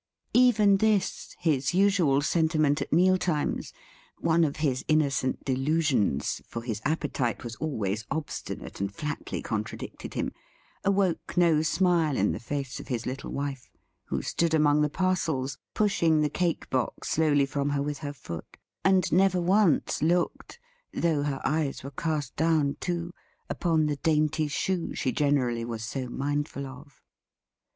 Even this; his usual sentiment at meal times; one of his innocent delusions (for his appetite was always obstinate, and flatly contradicted him); awoke no smile in the face of his little wife, who stood among the parcels, pushing the cake box slowly from her with her foot, and never once looked, though her eyes were cast down too, upon the dainty shoe she generally was so mindful of.